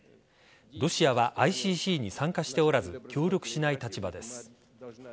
ロシアはＩＣＣに参加しておらず協力しない立場です。